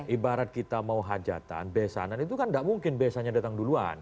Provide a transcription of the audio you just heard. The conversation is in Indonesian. ibarat kita mau hajatan besanan itu kan tidak mungkin besannya datang duluan